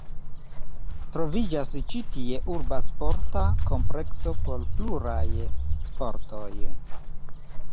Troviĝas ĉi tie urba sporta komplekso por pluraj sportoj.